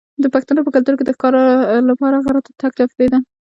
د پښتنو په کلتور کې د ښکار لپاره غره ته تګ تفریح ده.